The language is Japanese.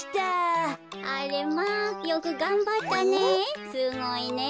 あれまあよくがんばったね。